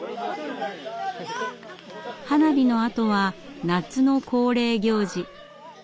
花火のあとは夏の恒例行事。